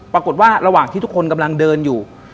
ปรากฏว่าระหว่างที่ทุกคนกำลังเดินอยู่